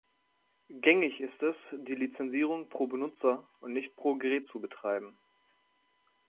Gängig ist es, die Lizenzierung pro Benutzer und nicht pro Gerät zu betreiben.